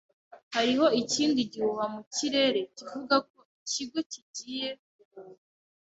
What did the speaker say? Hariho ikindi gihuha mu kirere kivuga ko ikigo kigiye guhomba